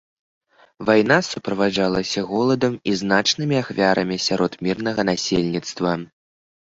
Вайна суправаджалася голадам і значнымі ахвярамі сярод мірнага насельніцтва.